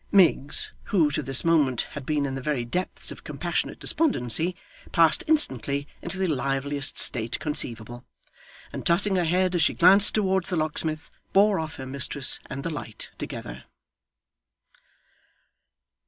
Miggs, who, to this moment, had been in the very depths of compassionate despondency, passed instantly into the liveliest state conceivable, and tossing her head as she glanced towards the locksmith, bore off her mistress and the light together.